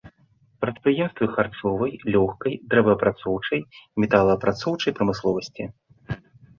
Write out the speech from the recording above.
Прадпрыемствы харчовай, лёгкай, дрэваапрацоўчай, металаапрацоўчай прамысловасці.